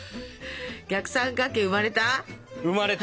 逆三角形生まれた？